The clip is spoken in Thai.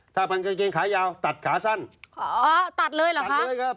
ถ้าปัญญาเกณฑ์ขายาวตัดขาสั้นอ๋อตัดเลยเหรอคะตัดเลยครับ